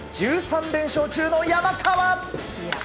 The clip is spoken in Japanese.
１３連勝中の山川。